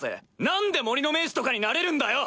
何で森の盟主とかになれるんだよ！